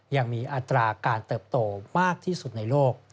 อัตราการเติบโตมากที่สุดในโลก